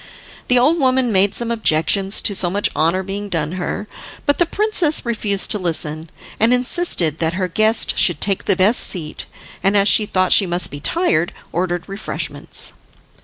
The old woman made some objections to so much honour being done her, but the princess refused to listen, and insisted that her guest should take the best seat, and as she thought she must be tired ordered refreshments.